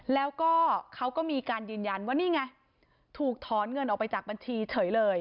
แล้วก็เขาก็มีการยืนยันว่านี่ไงถูกถอนเงินออกไปจากบัญชีเฉยเลย